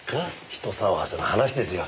人騒がせな話ですよ。